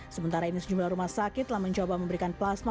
sementara ini sejumlah rumah sakit telah mencoba memberikan plasma